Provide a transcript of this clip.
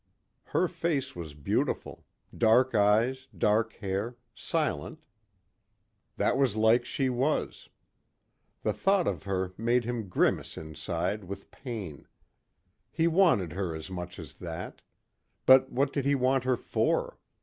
Her face was beautiful. Dark eyes, dark hair, silent, that was like she was. The thought of her made him grimace inside with pain. He wanted her as much as that. But what did he want her for?